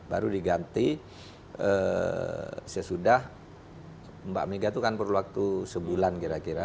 baru diganti sesudah mbak mega itu kan perlu waktu sebulan kira kira